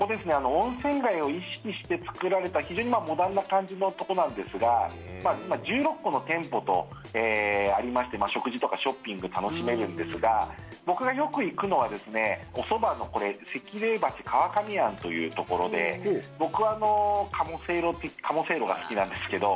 温泉街を意識して作られた非常にモダンな感じのとこなんですが今１６個の店舗がありまして食事とかショッピング楽しめるんですが僕がよく行くのは、おそばのせきれい橋川上庵というところで僕、鴨せいろが好きなんですけど。